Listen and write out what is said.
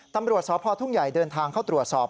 ตำรวจสพทุ่งใหญ่เดินทางเข้าตรวจสอบ